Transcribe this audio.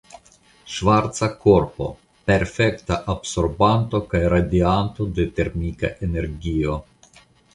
Ŝvarca Korpo: Perfekta absorbanto kaj radianto de termika energio.